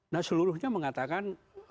nah seluruhnya mengatakan